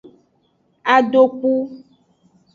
Adokpu.